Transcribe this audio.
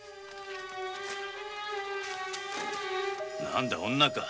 何だ女か？